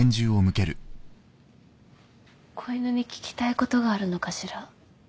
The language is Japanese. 子犬に聞きたいことがあるのかしら。